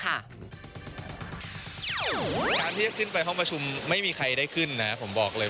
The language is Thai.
การที่จะขึ้นไปห้องประชุมไม่มีใครได้ขึ้นนะผมบอกเลย